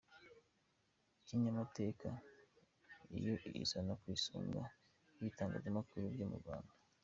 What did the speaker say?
Kinyamateka yo iza ku isonga y’ibitangazamakuru byo mu Rwanda.